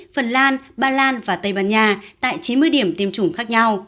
phần lan bà lan và tây ban nha tại chín mươi điểm tiêm chủng khác nhau